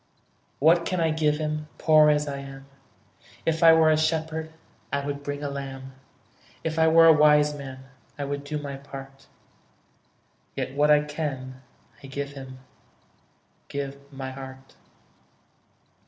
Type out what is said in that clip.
What can I give Him, Poor as I am? If I were a shepherd, I would bring a lamb; If I were a wise man, I would do my part: Yet what I can I give Him, Give my heart.